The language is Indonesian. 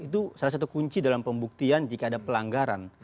itu salah satu kunci dalam pembuktian jika ada pelanggaran